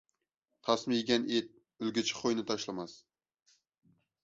تاسما يېگەن ئىت ئۆلگۈچە خۇيىنى تاشلىماس.